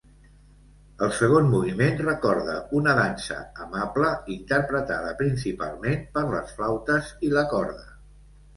El segon moviment recorda una dansa amable interpretada principalment per les flautes i la corda.